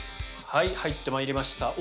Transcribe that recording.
入ってまいりました。